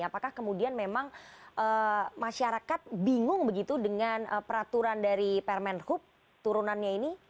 apakah kemudian memang masyarakat bingung begitu dengan peraturan dari permen hub turunannya ini